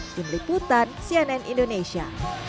tim liputan cnn indonesia